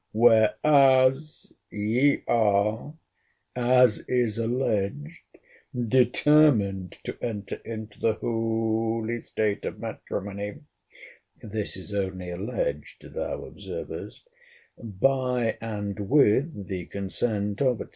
—WHEREAS ye are, as is alleged, determined to enter into the holy state of Matrimony [this is only alleged, thou observest] by and with the consent of, &c.